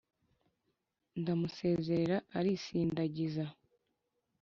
Ndamusezerera arisindagiza.